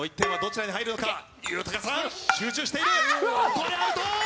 これはアウト！